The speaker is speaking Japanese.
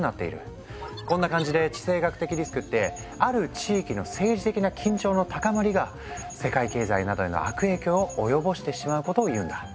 こんな感じで「地政学的リスク」ってある地域の政治的な緊張の高まりが世界経済などへの悪影響を及ぼしてしまうことをいうんだ。